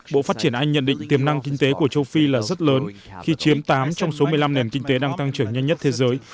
bộ phát triển anh nhận định tiềm năng kinh tế của châu phi là rất lớn khi chiếm tám trong số một mươi năm nền kinh tế đang tăng trưởng nhanh nhất thế giới